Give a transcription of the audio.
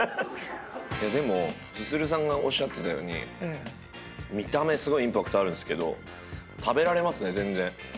でもＳＵＳＵＲＵさんがおっしゃってたように見た目すごいインパクトあるんですけど食べられますね全然。